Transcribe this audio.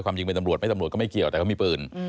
จริงเป็นตำรวจไม่ตำรวจก็ไม่เกี่ยวแต่เขามีปืน